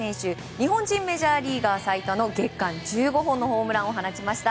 日本人メジャーリーガー最多の月間１５本のホームランを放ちました。